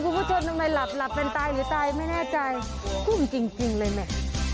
คุณผู้ชมทำไมหลับหลับกันตายหรือตายไม่แน่ใจก้มจริงเลยแม่